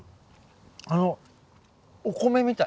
あのお米みたい。